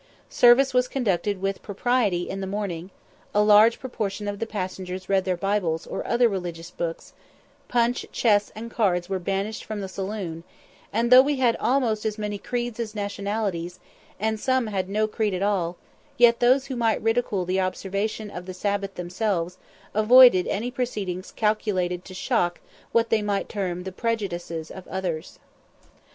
Service was conducted with propriety in the morning; a large proportion of the passengers read their Bibles or other religious books; punch, chess, and cards were banished from the saloon; and though we had almost as many creeds as nationalities, and some had no creed at all, yet those who might ridicule the observance of the Sabbath themselves, avoided any proceedings calculated to shock what they might term the prejudices of others.